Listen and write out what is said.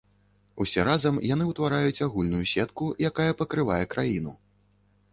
Усе разам яны ўтвараюць агульную сетку, якая пакрывае краіну.